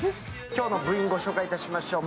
今日の部員、ご紹介しましょう。